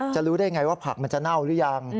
จะรู้ได้อย่างไรว่าผักมันจะเน่าหรือยัง